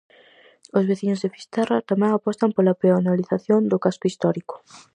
Os veciños de Fisterra tamén apostan pola peonalización do casco histórico.